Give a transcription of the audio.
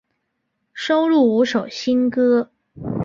收录五首新歌。